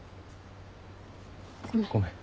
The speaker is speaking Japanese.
ごめん。